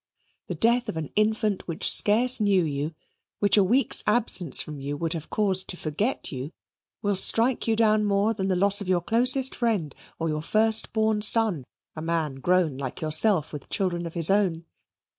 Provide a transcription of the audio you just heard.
The death of an infant which scarce knew you, which a week's absence from you would have caused to forget you, will strike you down more than the loss of your closest friend, or your first born son a man grown like yourself, with children of his own.